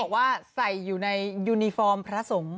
ว่าใส่อยู่ในยูนิฟอร์มพระสงฆ์